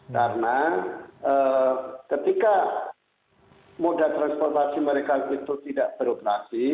karena ketika moda transportasi mereka itu tidak beroperasi